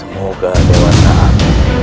semoga dewa taat